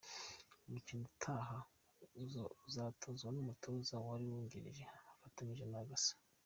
Umukino utaha uzatozwa n’umutoza wari wungirije afatanyije na Cassa.